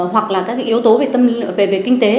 hoặc là các yếu tố về kinh tế